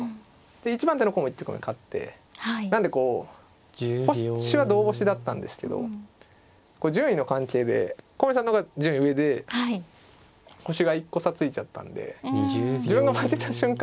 一番手の子も１局目勝ってなんでこう星は同星だったんですけど順位の関係で古森さんの方が順位上で星が１個差ついちゃったんで自分が負けた瞬間